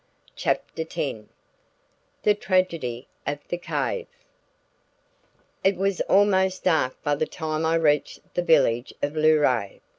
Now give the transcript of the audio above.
CHAPTER X THE TRAGEDY OF THE CAVE It was almost dark by the time I reached the village of Luray.